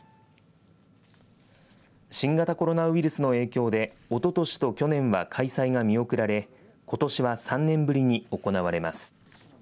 新型コロナウイルスの影響でおととしと去年は開催が見送られことしは３年ぶりに行われます。